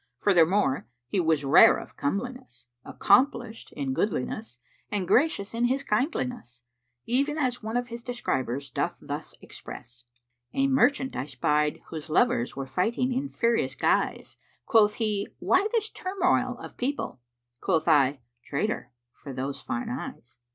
Furthermore he was rare of comeliness, accomplished in goodliness, and gracious in his kindliness, even as one of his describers doth thus express, "A merchant I spied whose lovers * Were fighting in furious guise: Quoth he, 'Why this turmoil of people?' * Quoth I, 'Trader, for those fine eyes!'"